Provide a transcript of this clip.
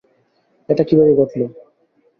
এটা কীভাবে ঘটল?